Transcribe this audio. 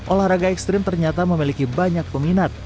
olahraga ekstrim ternyata memiliki banyak peminat